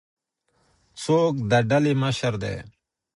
څوک د ډلي مشر دی؟